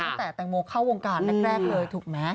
ตั้งแต่แตงโมเข้าวงการแรกเลยถูกไหม